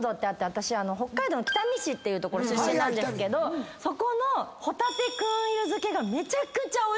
私北海道の北見市っていう所出身なんですけどそこのほたて燻油漬がめちゃくちゃおいしいんですよ。